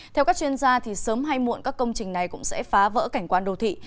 theo các chuyên gia sớm hay muộn các công trình này cũng sẽ phá vỡ cảnh quan đô thị